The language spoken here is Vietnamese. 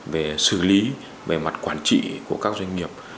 về xử lý về mặt quản trị của các doanh nghiệp